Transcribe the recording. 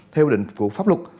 theo định của pháp luật